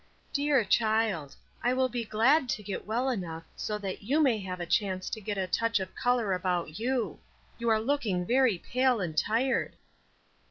"Dear child! I will be glad to get well enough so that you may have a chance to get a touch of color about you. You are looking very pale and tired."